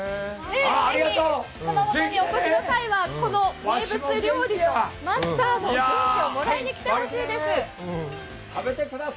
熊本にお越しの際はこの名物料理とマスターの元気をもらいに来てほしいです。